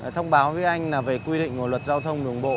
thông báo với anh là về quy định của luật giao thông đường bộ